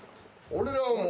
俺らはもう。